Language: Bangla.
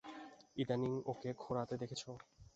ইদানীং ওকে খোঁড়াতে দেখেছ?